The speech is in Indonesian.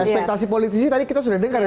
ekspektasi politisi tadi kita sudah dengar ya